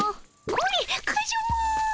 これカジュマ。